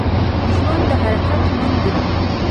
ژوند د حرکت نوم دی